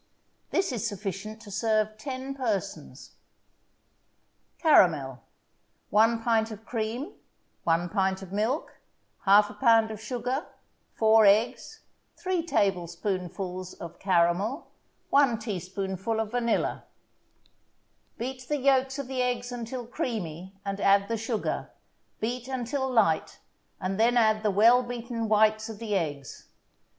This is sufficient to serve ten persons. CARAMEL 1 pint of cream 1 pint of milk 1/2 pound of sugar 4 eggs 3 tablespoonfuls of caramel 1 teaspoonful of vanilla Beat the yolks of the eggs until creamy and add the sugar; beat until light, and then add the well beaten whites of the eggs.